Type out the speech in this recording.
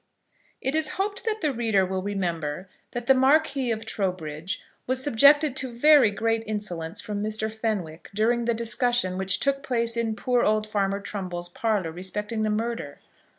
It is hoped that the reader will remember that the Marquis of Trowbridge was subjected to very great insolence from Mr. Fenwick during the discussion which took place in poor old farmer Trumbull's parlour respecting the murder.